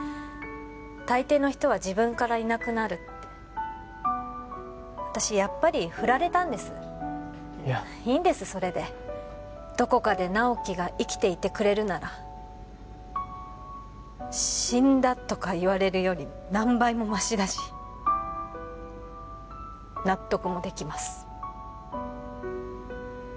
大抵の人は自分からいなくなるって私やっぱりフラれたんですいやいいんですそれでどこかで直木が生きていてくれるなら死んだとか言われるより何倍もましだし納得もできます